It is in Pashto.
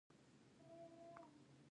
افغانستان د کندهار له مخې پېژندل کېږي.